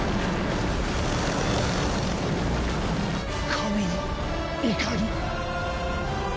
神の怒り！？